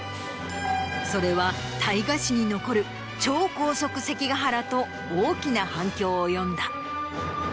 それは大河史に残る「超高速関ヶ原」と大きな反響を呼んだ。